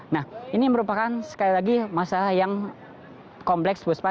nah ini merupakan sekali lagi masalah yang kompleks puspa